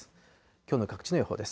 きょうの各地の予報です。